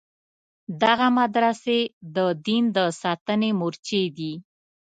دغه مدرسې د دین د ساتنې مورچې دي.